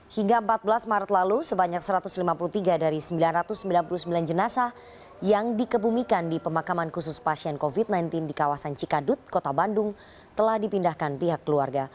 hingga empat belas maret lalu sebanyak satu ratus lima puluh tiga dari sembilan ratus sembilan puluh sembilan jenazah yang dikebumikan di pemakaman khusus pasien covid sembilan belas di kawasan cikadut kota bandung telah dipindahkan pihak keluarga